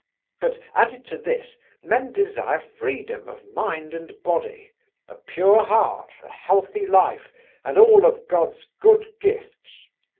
But, added to this, men desire freedom of mind and body, a pure heart, a healthy life, and all God's good gifts.